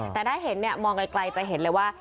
แต่ได้เห็นมองไกลจะเห็นเลยว่า